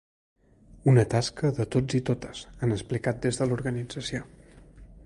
Una tasca de tots i totes, han explicat des de l’organització.